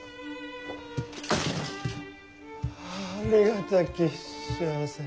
ありがたき幸せ。